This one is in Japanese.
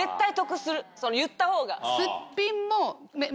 言った方が。